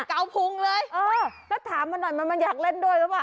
เกาพุงเลยเออแล้วถามมันหน่อยมันอยากเล่นด้วยหรือเปล่า